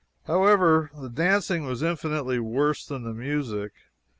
However, the dancing was infinitely worse than the music.